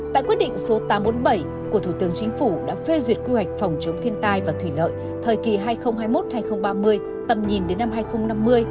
tại quyết định số tám trăm bốn mươi bảy của thủ tướng chính phủ đã phê duyệt quy hoạch phòng chống thiên tai và thủy lợi thời kỳ hai nghìn hai mươi một hai nghìn ba mươi tầm nhìn đến năm hai nghìn năm mươi